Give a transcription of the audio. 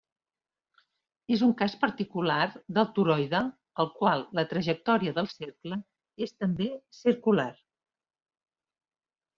És un cas particular del toroide, al qual la trajectòria del cercle és també circular.